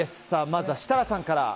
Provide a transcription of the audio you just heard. まずは設楽さんから。